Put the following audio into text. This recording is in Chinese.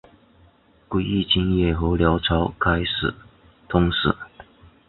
归义军也和辽朝开始通使。